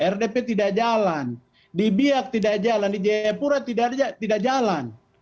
rdp tidak jalan di biak tidak jalan di jayapura tidak jalan